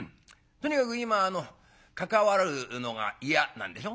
とにかく今あの関わるのが嫌なんでしょ？」。